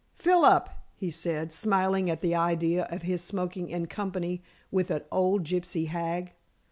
"Fill up," he said, smiling at the idea of his smoking in company with an old gypsy hag.